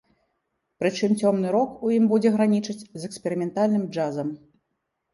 Прычым цёмны рок у ім будзе гранічыць з эксперыментальным джазам.